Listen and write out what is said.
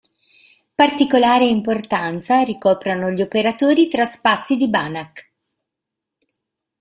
Particolare importanza ricoprono gli operatori tra spazi di Banach.